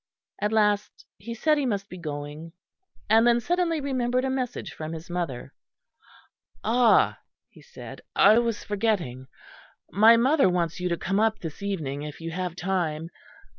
At last he said he must be going, and then suddenly remembered a message from his mother. "Ah!" he said, "I was forgetting. My mother wants you to come up this evening, if you have time.